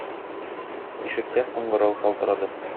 Ишектә кыңгырау шалтырады.